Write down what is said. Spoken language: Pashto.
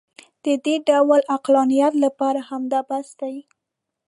د دې ډول عقلانیت لپاره همدا بس دی.